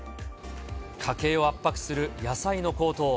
家計を圧迫する野菜の高騰。